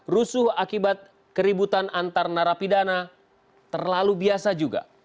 rusuh akibat keributan antar narapidana terlalu biasa juga